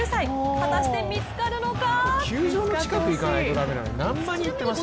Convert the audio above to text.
果たして見つかるのか？